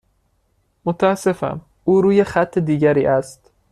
متاسفم، او روی خط دیگری است.